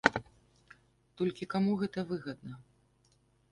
Толькі каму гэта выгадна?